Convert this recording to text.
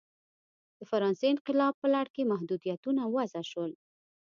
د فرانسې انقلاب په لړ کې محدودیتونه وضع شول.